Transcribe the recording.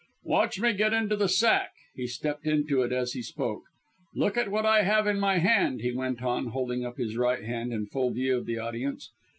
"Watch me get into the sack!" He stepped into it as he spoke. "Look at what I have in my hand," he went on, holding up his right hand in full view of the audience.